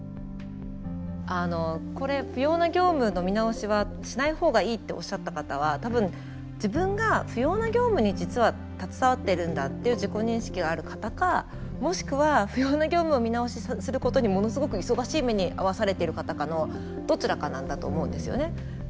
あのこれ不要な業務の見直しはしない方がいいっておっしゃった方は多分自分が不要な業務に実は携わってるんだっていう自己認識がある方かもしくは不要な業務を見直しすることにものすごく忙しい目に遭わされている方かのどちらかなんだと思うんですよね。